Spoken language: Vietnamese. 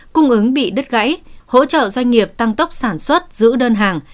cung ứng bị đứt gãy hỗ trợ doanh nghiệp tăng tốc sản xuất giữ đơn hàng